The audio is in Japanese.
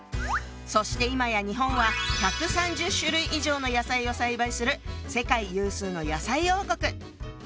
そしていまや日本は１３０種類以上の野菜を栽培する世界有数の野菜王国！